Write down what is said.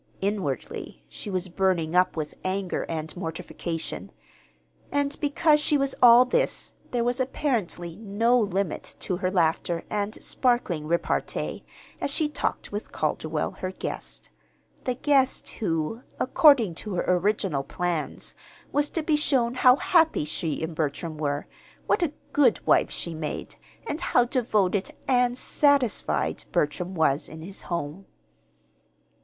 Inwardly she was burning up with anger and mortification. And because she was all this, there was, apparently, no limit to her laughter and sparkling repartee as she talked with Calderwell, her guest the guest who, according to her original plans, was to be shown how happy she and Bertram were, what a good wife she made, and how devoted and satisfied Bertram was in his home.